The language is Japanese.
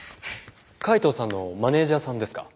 海東さんのマネジャーさんですか？